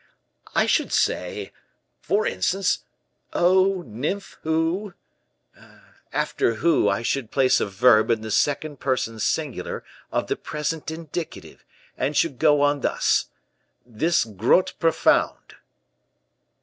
"I should say, for instance, 'Oh! nymph, who ' After 'who' I should place a verb in the second person singular of the present indicative; and should go on thus: 'this grot profound.